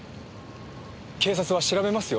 警察は調べますよ。